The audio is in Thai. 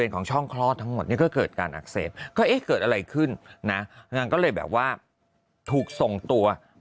ของช่องคลอดทั้งหมดเนี่ยก็เกิดการอักเสบก็เอ๊ะเกิดอะไรขึ้นนะนางก็เลยแบบว่าถูกส่งตัว